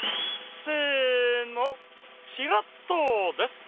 せのチラッとです！